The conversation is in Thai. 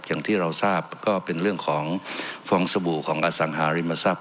อย่างที่เราทราบก็เป็นเรื่องของฟองสบู่ของอสังหาริมทรัพย